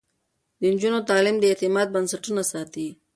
د نجونو تعليم د اعتماد بنسټونه ساتي.